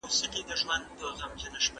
بزګران په خپلو مځکو کي ډول ډول فصلونه کري.